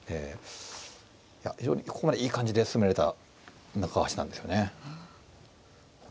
いや非常にここまでいい感じで進められた中川八段ですよね。